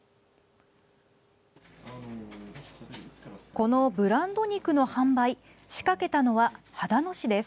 このブランド肉の販売仕掛けたのは秦野市です。